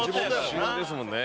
出身ですもんね。